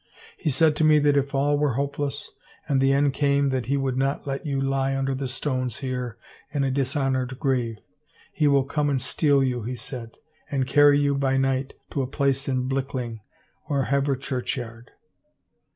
He said to me that if all were hopeless and the end came that he would not let you lie under the stones here in a dishonored grave. He will come and steal you, he said, and carry you by night to a place in Blickling or Hever Churchyard."